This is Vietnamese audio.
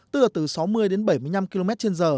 tức là từ sáu mươi đến bảy mươi km